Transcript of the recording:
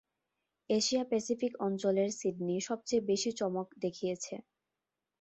Asia Pacific অঞ্চলের Sydney সবচেয়ে বেশি চমক দেখিয়েছে।